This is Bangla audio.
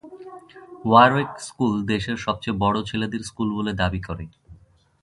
ওয়ারউইক স্কুল দেশের সবচেয়ে বড় ছেলেদের স্কুল বলে দাবি করে।